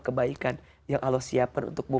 kebaikan yang allah siapkan untukmu